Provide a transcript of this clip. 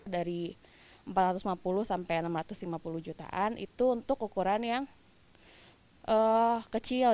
dari empat ratus lima puluh sampai enam ratus lima puluh jutaan itu untuk ukuran yang kecil